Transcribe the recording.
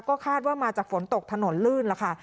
ก็คาดว่ามาจากฝนตกถนนลื่นล่ะค่ะ